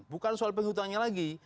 bukan soal penghitungannya lagi